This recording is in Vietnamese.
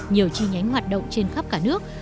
nhiều chi nhánh hoạt động trên khắp cả nước